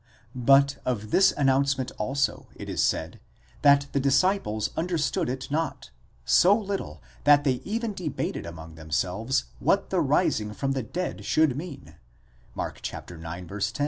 But of this announcement also it is said, that the disciples understood it not; so little, that they even debated among themselves what the rising from the dead should mean, τί ἐστι τὸ ἐκ νεκρῶν ἀναστῆναι (Mark ix.